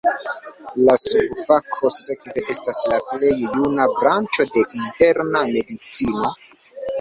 La subfako sekve estas la plej juna branĉo de interna medicino.